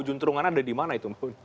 juntrungannya ada di mana itu